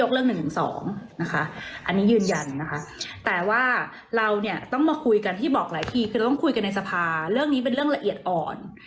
เราต้องบอกหลายทีคือเราต้องคุยกันในสภาเรื่องนี้เป็นเรื่องละเอียดอ่อน